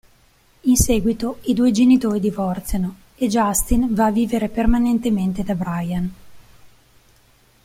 In seguito i due genitori divorziano e Justin va a vivere permanentemente da Brian.